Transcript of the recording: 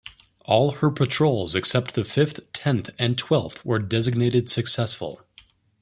All her patrols except the fifth, tenth, and twelfth were designated successful.